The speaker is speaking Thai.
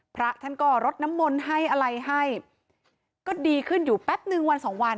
พระท่านก็รดน้ำมนต์ให้อะไรให้ก็ดีขึ้นอยู่แป๊บนึงวันสองวัน